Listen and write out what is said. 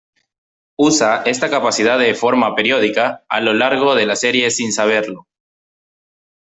Usa esta capacidad de forma periódica a lo largo de la serie sin saberlo.